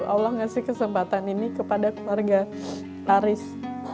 allah ngasih kesempatan ini kepada keluarga paris